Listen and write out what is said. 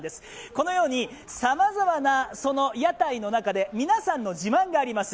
このようにさまざまな屋台の中で皆さんの自慢があります。